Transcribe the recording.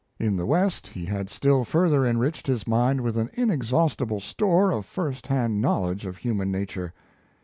In the West he had still further enriched his mind with an inexhaustible store of first hand knowledge of human nature.